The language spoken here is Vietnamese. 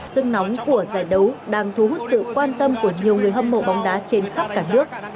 sức nóng của giải đấu đang thu hút sự quan tâm của nhiều người hâm mộ bóng đá trên khắp cả nước